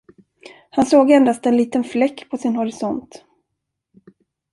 Han såg endast en liten fläck på sin horisont.